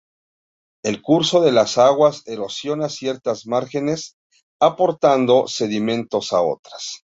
El curso de las aguas erosiona ciertas márgenes, aportando sedimentos a otras.